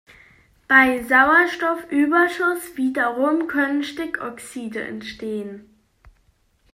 Bei Sauerstoffüberschuss wiederum können Stickoxide entstehen.